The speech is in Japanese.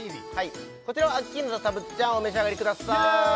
こちらはアッキーナとたぶっちゃんお召し上がりくださいキレイ！